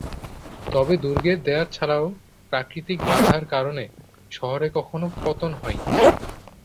তবে দুর্গের দেয়াল ছাড়াও প্রাকৃতিক বাধার কারণে শহরের কখনো পতন হয়নি।